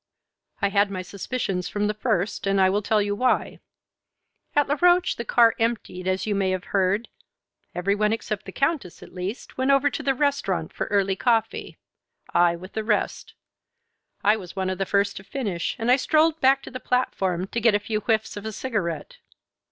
"I had my suspicions from the first, and I will tell you why. At Laroche the car emptied, as you may have heard; every one except the Countess, at least, went over to the restaurant for early coffee; I with the rest. I was one of the first to finish, and I strolled back to the platform to get a few whiffs of a cigarette.